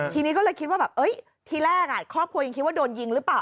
ทีนี้ก็เลยคิดว่าแบบทีแรกครอบครัวยังคิดว่าโดนยิงหรือเปล่า